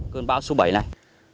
cơn bão số bảy này